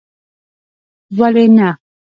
ولي نه